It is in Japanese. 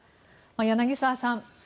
柳澤さん